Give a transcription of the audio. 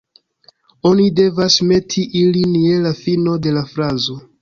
Oni devas meti ilin je la fino de la frazo